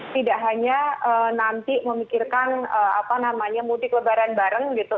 tidak hanya nanti memikirkan apa namanya mudik lebaran bareng gitu